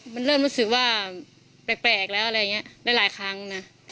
มันเริ่มรู้สึกว่าแปลกแล้วอะไรอย่างนี้ได้หลายครั้งนะ